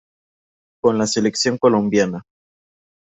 Con la selección Colombia.